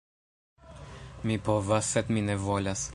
Mi povas, sed mi ne volas.